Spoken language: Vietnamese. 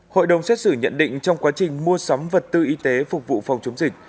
hội đồng xét xử nhận định trong quá trình mua sắm vật tư y tế phục vụ phòng chống dịch